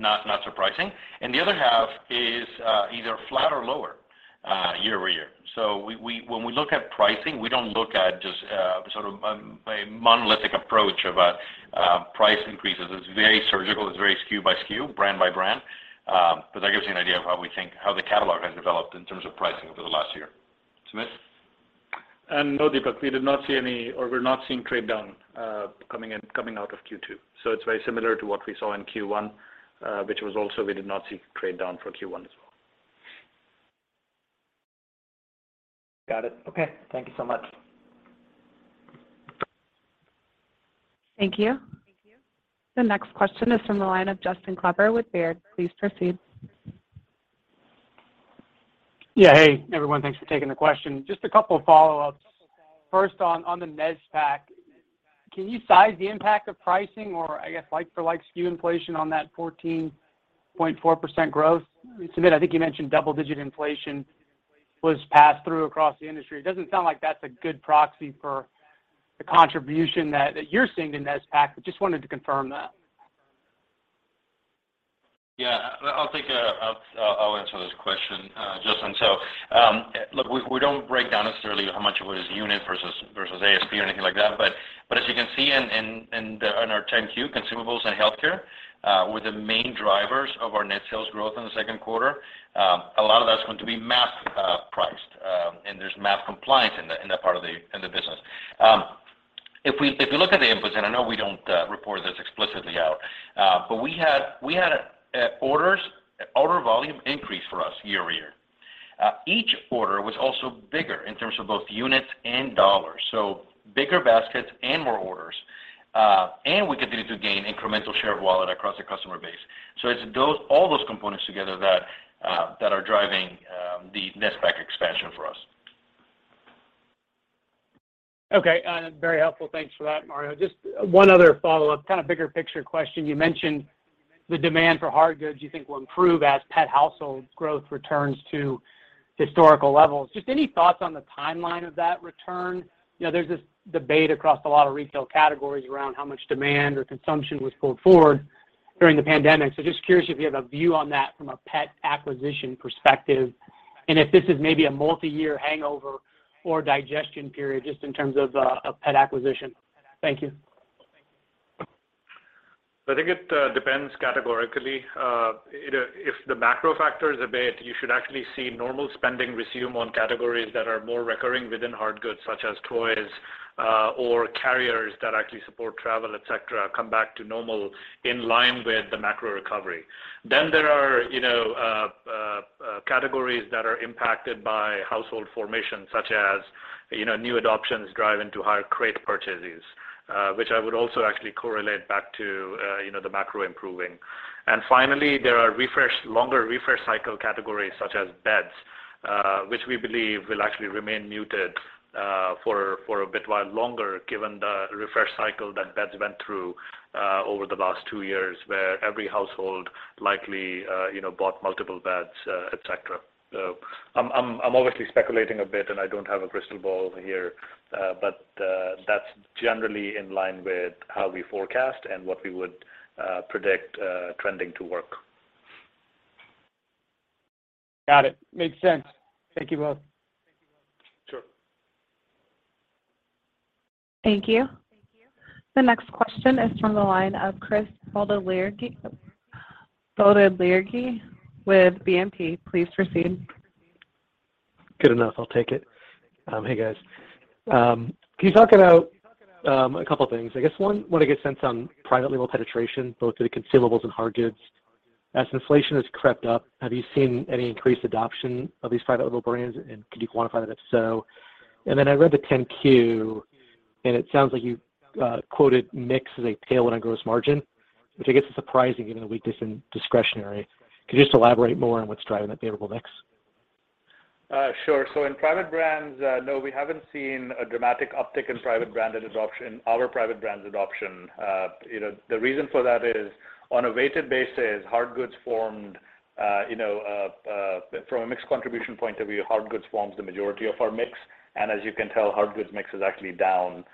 not surprising. The other half is either flat or lower year-over-year. When we look at pricing, we don't look at just sort of a monolithic approach about price increases. It's very surgical, it's very SKU by SKU, brand by brand. That gives you an idea of how we think how the catalog has developed in terms of pricing over the last year. Sumit? No, Deepak, we did not see any or we're not seeing trade down coming in, coming out of Q2. It's very similar to what we saw in Q1, which was also we did not see trade down for Q1 as well. Got it. Okay, thank you so much. Thank you. The next question is from the line of Justin Kleber with Baird. Please proceed. Yeah. Hey, everyone. Thanks for taking the question. Just a couple follow-ups. First, on the NSPAC. Can you size the impact of pricing or I guess like for like SKU inflation on that 14.4% growth? Sumit, I think you mentioned double-digit inflation was passed through across the industry. It doesn't sound like that's a good proxy for the contribution that you're seeing in NSPAC, but just wanted to confirm that. Yeah. I'll answer this question, Justin. Look, we don't break down necessarily how much of it is unit versus ASP or anything like that. As you can see in our 10-Q, consumables and healthcare were the main drivers of our net sales growth in the second quarter. A lot of that's going to be mass priced, and there's mass compliance in that part of the business. If you look at the inputs, and I know we don't report this explicitly out, but we had order volume increase for us year-over-year. Each order was also bigger in terms of both units and dollars. Bigger baskets and more orders, and we continued to gain incremental share of wallet across the customer base. It's all those components together that are driving the NSPAC expansion for us. Okay. Very helpful. Thanks for that, Mario. Just one other follow-up, kind of bigger picture question. You mentioned the demand for hard goods you think will improve as pet household growth returns to historical levels. Just any thoughts on the timeline of that return? You know, there's this debate across a lot of retail categories around how much demand or consumption was pulled forward during the pandemic. So just curious if you have a view on that from a pet acquisition perspective, and if this is maybe a multi-year hangover or digestion period just in terms of a pet acquisition. Thank you. I think it depends categorically. If the macro improves a bit, you should actually see normal spending resume on categories that are more recurring within hard goods such as toys or carriers that actually support travel, et cetera, come back to normal in line with the macro recovery. There are, you know, categories that are impacted by household formation, such as, you know, new adoptions driving to higher crate purchases, which I would also actually correlate back to, you know, the macro improving. Finally, there are longer refresh cycle categories such as beds, which we believe will actually remain muted for a bit longer given the refresh cycle that beds went through over the last two years, where every household likely, you know, bought multiple beds, etcetera. I'm obviously speculating a bit, and I don't have a crystal ball here, but that's generally in line with how we forecast and what we would predict trending to work. Got it. Makes sense. Thank you both. Sure. Thank you. The next question is from the line of Curtis Nagle with BofA Securities. Please proceed. Good enough, I'll take it. Hey, guys. Can you talk about a couple of things? I guess one, want to get a sense on private label penetration, both to the consumables and hard goods. As inflation has crept up, have you seen any increased adoption of these private label brands, and could you quantify that if so? I read the 10-Q, and it sounds like your product mix as a tailwind on gross margin, which I guess is surprising given the weakness in discretionary. Could you just elaborate more on what's driving that favorable mix? Sure. In private brands, no, we haven't seen a dramatic uptick in private branded adoption, our private brands adoption. You know, the reason for that is on a weighted basis, hard goods from a mix contribution point of view, hard goods forms the majority of our mix. As you can tell, hard goods mix is actually down.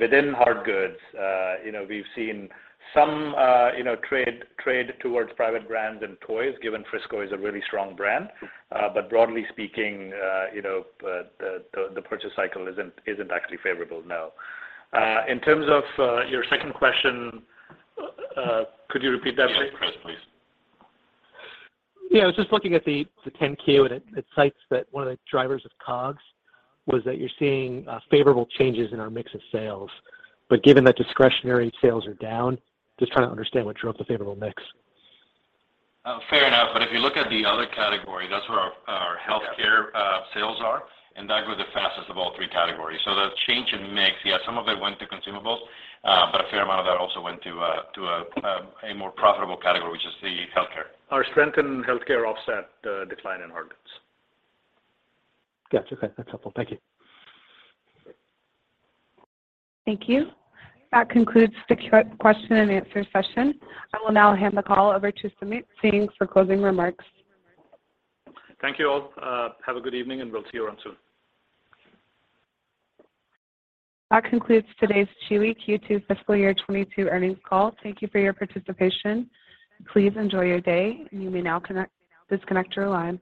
Within hard goods, you know, we've seen some, you know, trade towards private brands and toys, given Frisco is a really strong brand. Broadly speaking, you know, the purchase cycle isn't actually favorable, no. In terms of your second question, could you repeat that please? I was just looking at the 10-Q, and it cites that one of the drivers of COGS was that you're seeing favorable changes in our mix of sales. Given that discretionary sales are down, just trying to understand what drove the favorable mix. Fair enough. If you look at the other category, that's where our healthcare sales are, and that grew the fastest of all three categories. The change in mix, yeah, some of it went to consumables, but a fair amount of that also went to a more profitable category, which is the healthcare. Our strength in healthcare offset the decline in hard goods. Got you. Okay. That's helpful. Thank you. Thank you. That concludes the question and answer session. I will now hand the call over to Sumit Singh for closing remarks. Thank you all. Have a good evening, and we'll see you around soon. That concludes today's Chewy Q2 fiscal year 2022 earnings call. Thank you for your participation. Please enjoy your day, and you may now disconnect your line.